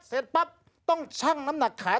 เสร็จปั๊บต้องชั่งน้ำหนักขาย